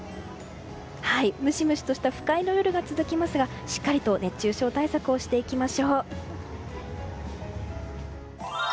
ムシムシとした不快な夜が続きますがしっかりと熱中症対策をしていきましょう。